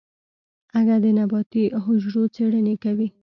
اگه د نباتي حجرو څېړنې کوي.